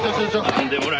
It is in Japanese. なんでもない。